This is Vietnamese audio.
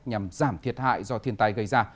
nhằm giảm thiệt hại do thiên tai gây ra